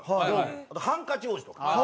あとハンカチ王子とか。